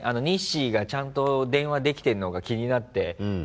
ニッシーがちゃんと電話できてんのか気になって。